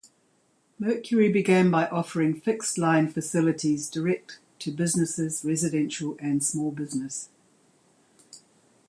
Mercury began by offering fixed-line facilities direct to businesses, residential and small business.